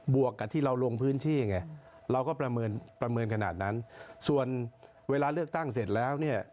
บวกกับที่เรารวงพื้นที่เราก็ประเมินขนาดนั้นส่วนเวลาเลือกตั้งเสร็จแล้ว